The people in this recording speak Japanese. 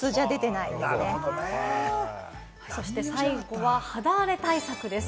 最後は肌荒れ対策です。